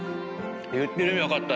言ってる意味分かった。